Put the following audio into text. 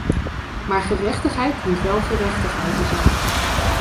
Maar gerechtigheid dient wel gerechtigheid te zijn.